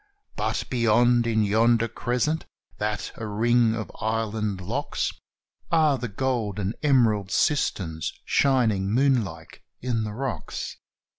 But behold, in yonder crescent that a ring of island locks Are the gold and emerald cisterns shining moonlike in the rocks!